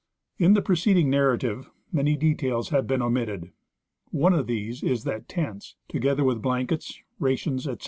In the preceding narrative many details have been omitted. One of these is that tents, together with blankets, rations, etc.